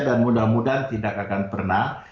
dan mudah mudahan tidak akan pernah